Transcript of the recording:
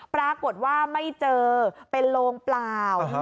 ปรากฏว่าไม่เจอเป็นโลงเปล่า